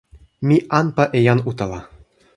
mi anpa e jan utala.